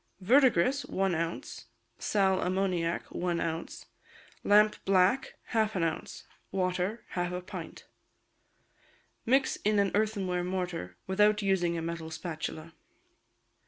Verdigris, one ounce; sal ammoniac, one ounce; lampblack, half an ounce; water, half a pint. Mix in an earthenware mortar, without using a metal spatula.